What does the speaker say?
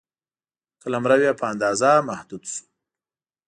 قلمرو یې په اندازه محدود شو.